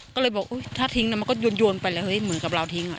ก็เลยบอกถ้าทิ้งมันก็โยนไปเหมือนกับเราทิ้งอ่ะ